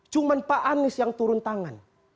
cuma pak anies yang turun tangan